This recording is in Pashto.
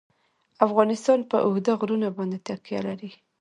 افغانستان په اوږده غرونه باندې تکیه لري.